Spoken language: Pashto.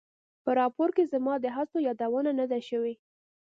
په راپور کې زما د هڅو یادونه نه ده شوې.